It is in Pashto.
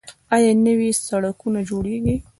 آیا نوي سرکونه جوړیږي؟